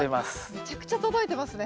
めちゃくちゃ届いてますね。